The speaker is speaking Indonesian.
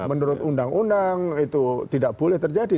menurut undang undang itu tidak boleh terjadi